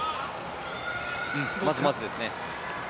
まずまずですね。